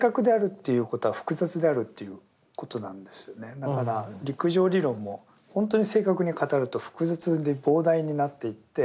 だから陸上理論もほんとに正確に語ると複雑で膨大になっていって。